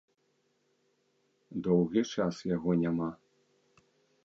Доўгі час яго няма.